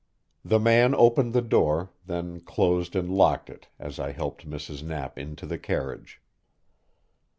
The man opened the door, then closed and locked it as I helped Mrs. Knapp into the carriage.